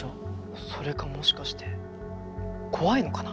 それかもしかして怖いのかな？